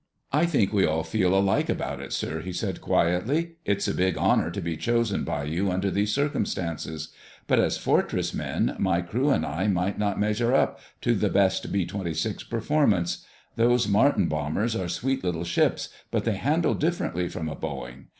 "I think we all feel alike about it, sir," he said quietly. "It's a big honor to be chosen by you under these circumstances. But as Fortress men, my crew and I might not measure up to the best B 26 performance. Those Martin bombers are sweet little ships, but they handle differently from a Boeing.